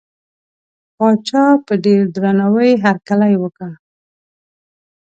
پاچا په ډېر درناوي هرکلی وکړ.